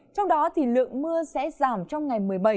trong đó lượng mưa sẽ giảm trong ngày một mươi bảy